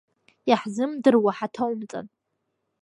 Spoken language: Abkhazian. Иаҳзымдыруа ҳаҭоумҵан!